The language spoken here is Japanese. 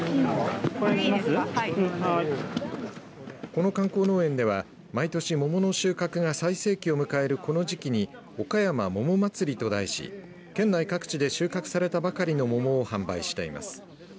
この観光農園では毎年、桃の収穫が最盛期を迎える、この時期におかやま桃祭りと題し県内各地で収穫されたばかりの桃を販売しています。